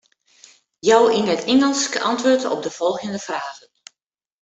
Jou yn it Ingelsk antwurd op de folgjende fragen.